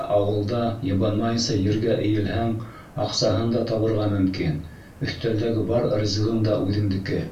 Ә ауылда йыбанмайынса ергә эйелһәң, аҡсаһын да табырға мөмкин, өҫтәлдәге бар ризығың да үҙеңдеке!